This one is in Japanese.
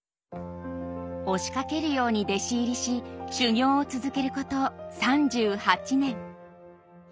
押しかけるように弟子入りし修業を続けること３８年。